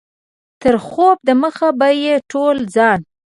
تر خوب دمخه به یې ټول ځان.